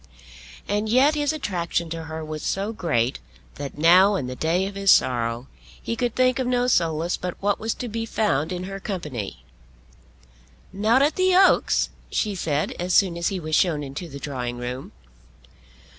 And yet his attraction to her was so great that now in the day of his sorrow he could think of no solace but what was to be found in her company. "Not at the Oaks!" she said as soon as he was shown into the drawing room.